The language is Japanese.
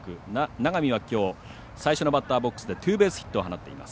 永見は、きょう最初のバッターボックスでツーベースヒットを放っています。